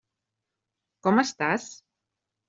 Com estàs?